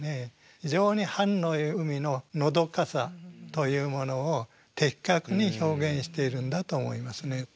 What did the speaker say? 非常に春の海ののどかさというものを的確に表現しているんだと思いますね。